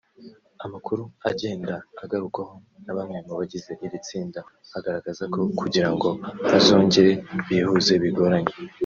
Amakuru agenda agarukwaho na bamwe mu bagize iri tsinda agaragaza ko kugirango bazongere bihuze bigoranye